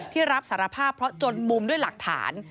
ที่รับสารภาพเพราะจนมุมด้วยหลักฐาน